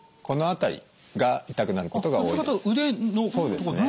この辺りが痛くなることが多いです。